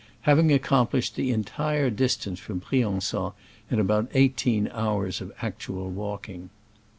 having accomplished the entire distance from Brian^on in about eighteen hours of actual walking.